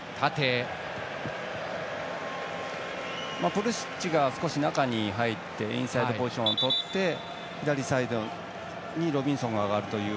プリシッチが少し中に入ってインサイドポジションをとって左サイドにロビンソンが上がる。